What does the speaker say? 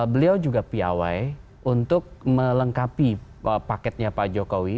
beliau juga piawai untuk melengkapi paketnya pak jokowi